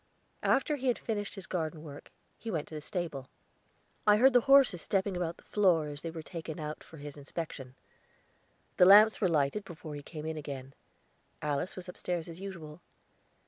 After he had finished his garden work he went to the stable; I heard the horses stepping about the floor as they were taken out for his inspection. The lamps were lighted before he came in again; Alice was upstairs as usual.